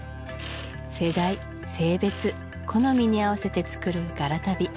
世代性別好みに合わせて作る柄足袋